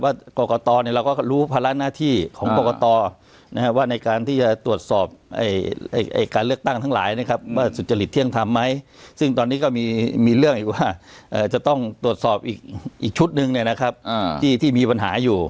กรกตเราก็รู้ภาระหน้าที่ของกรกตนะครับว่าในการที่จะตรวจสอบการเลือกตั้งทั้งหลายนะครับว่าสุจริตเที่ยงธรรมไหมซึ่งตอนนี้ก็มีเรื่องอยู่ว่าจะต้องตรวจสอบอีกชุดหนึ่งเนี่ยนะครับที่มีปัญหาอยู่